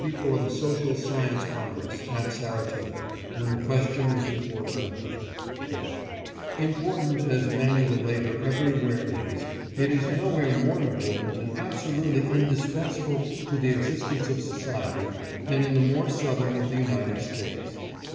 525 fore the Social Science Congress at Saratoga, when the question was before the country :" Important as manual labor everywhere is, it is nowhere more im portant and absolutely indispensable to the existence of society than in the more southern of the United States.